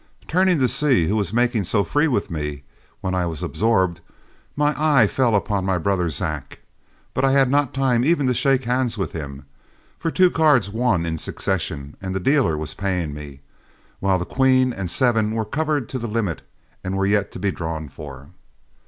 Turning to see who was making so free with me when I was absorbed, my eye fell on my brother Zack, but I had not time even to shake hands with him, for two cards won in succession and the dealer was paying me, while the queen and seven were covered to the limit and were yet to be drawn for.